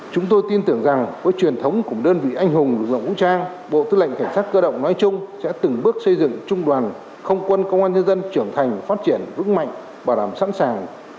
chúng tôi tin tưởng rằng với truyền thống của đơn vị anh hùng lực lượng vũ trang bộ tư lệnh cảnh sát cơ động nói chung sẽ từng bước xây dựng trung đoàn không quân công an nhân dân trưởng thành phát triển vững mạnh bảo đảm sẵn sàng